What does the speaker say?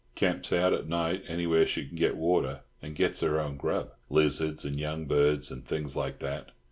Camps out at night anywhere she can get water, and gets her own grub—lizards and young birds, and things like that.